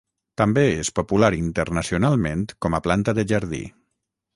També és popular internacionalment com a planta de jardí.